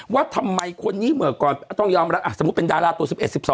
ว่าทำไมคนนี้เมื่อก่อนต้องยอมรับสมมุติเป็นดาราตัว๑๑๑๒